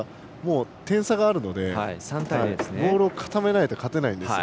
点差があるので、ボールを固めないと勝てないんですよ。